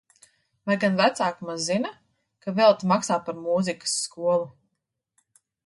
Vai gan vecāki maz zina, ka velti maksā par mūzikas skolu?